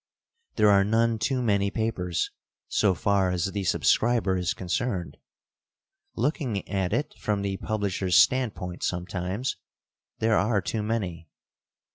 There are none too many papers, so far as the subscriber is concerned. Looking at it from the publisher's standpoint sometimes, there are too many.